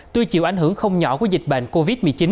tuy chịu ảnh hưởng không nhỏ của dịch bệnh covid một mươi chín